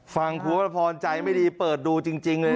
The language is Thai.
ฟังคุณวรพรใจไม่ดีเปิดดูจริงเลย